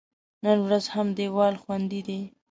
نن ورځ هم دیوال خوندي دی.